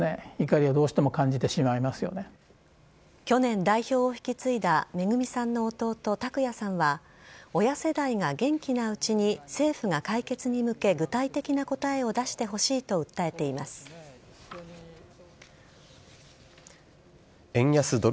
去年、代表を引き継いだめぐみさんの弟・拓也さんは親世代が元気なうちに政府が解決に向け具体的な答えを出してほしいと訴えています。